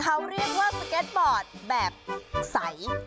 เขาเรียกว่าสเก็ตบอร์ดแบบใส